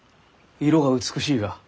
色が美しいが。